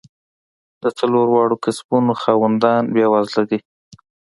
د څلور واړو کسبونو خاوندان بېوزله دي.